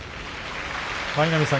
舞の海さん